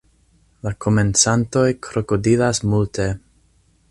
La komencantoj krokodilas multe.